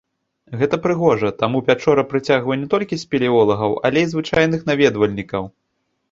Гэта прыгожа, таму пячора прыцягвае не толькі спелеолагаў, але і звычайных наведвальнікаў.